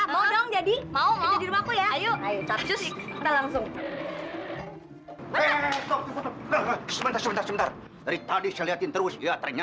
sampai jumpa di video selanjutnya